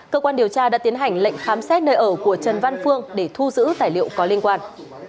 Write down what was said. cơ quan điều tra đã tiến hành lệnh khám xét nơi ở của trần văn phương để thu giữ tài liệu có liên quan